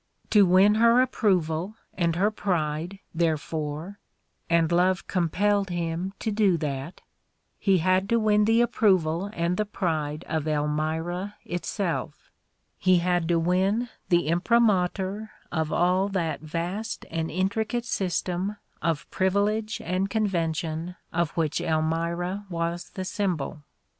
To win her approval and her pride, therefore — and love compelled him to do that — he had to win the approval and the pride of Elmira itself, he had to win the imprimatur of all that vast and intricate system of privilege and convention of which Elmira was the symbol.